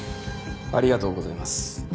ありがとうございます。